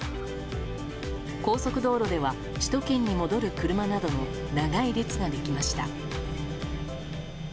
高速道路では首都圏に戻る車などの長い列ができました。